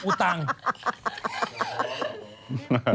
เหมือนลิงอุลังอุตัง